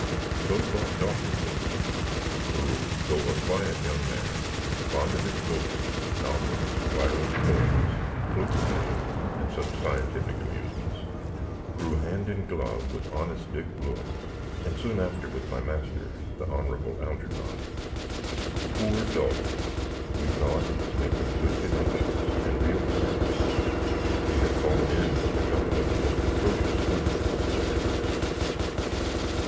So thought Dawkins, at least; who, though a quiet young man, fond of his boox, novvles, Byron's poems, floot playing, and such like scientafic amusemints, grew hand in glove with honest Dick Blewitt, and soon after with my master, the Honrabble Halgernon. Poor Daw! he thought he was makin good connexions, and real friends he had fallen in with a couple of the most etrocious swinlers that ever lived.